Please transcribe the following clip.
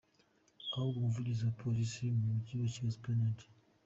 Ahubwo, umuvugizi wa Polisi mu Mujyi wa Kigali, Supt.